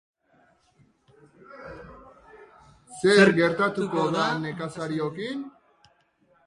Zer gertatuko da nekazariokin?